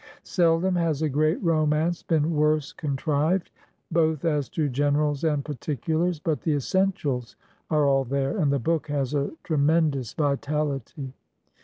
Seldom has a great romance been worse contrived, both as to generals and particulars, but the essentials are all there, and the book has a tremendous vitality.